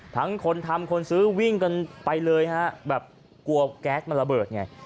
คนทำคนซื้อวิ่งกันไปเลยฮะแบบกลัวแก๊สมันระเบิดไง